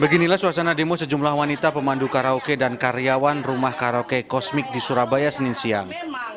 beginilah suasana demo sejumlah wanita pemandu karaoke dan karyawan rumah karaoke kosmik di surabaya senin siang